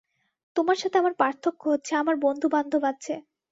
তোমার সাথে আমার পার্থক্য হচ্ছে, আমার বন্ধু-বান্ধব আছে।